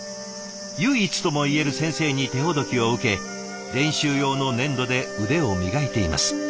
唯一ともいえる先生に手ほどきを受け練習用の粘土で腕を磨いています。